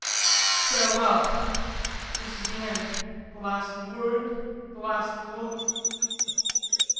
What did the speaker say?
Farewell! This is the end; The last word, the last look!